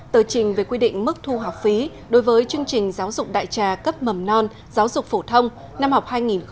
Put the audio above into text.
tờ trình về quy định mức thu học phí đối với chương trình giáo dục đại trà cấp mầm non giáo dục phổ thông năm học hai nghìn hai mươi hai nghìn hai mươi